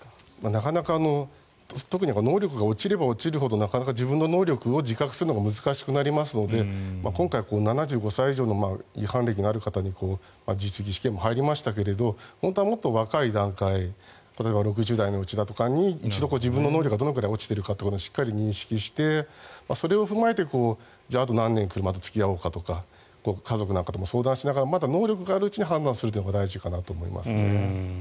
なかなか特に能力が落ちれば落ちるほどなかなか自分の能力を自覚するのが難しくなりますので今回、７５歳以上の違反歴のある方に実技試験も入りましたけど本当はもっと若い段階例えば、６０代のうちだとかに一度自分の能力がどれくらい落ちているかということをしっかり認識してそれを踏まえて、じゃああと何年車と付き合おうかとか家族と相談しながらまだ能力があるうちに判断することが大事だと思います。